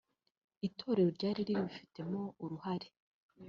itorero ryari ribifitemo uruhare